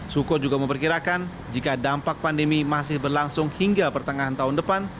suko juga memperkirakan jika dampak pandemi masih berlangsung hingga pertengahan tahun depan